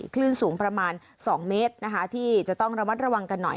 คลื่นสูงประมาณ๒เมตรนะคะที่จะต้องระมัดระวังกันหน่อย